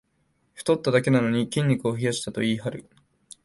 太っただけなのに筋肉を増やしたと言いはる